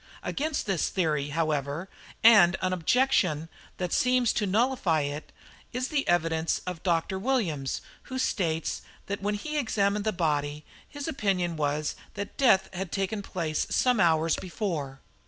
Against this theory, however, and an objection that seems to nullify it, is the evidence of Dr. Williams, who states that when he examined the body his opinion was that death had taken place some hours before.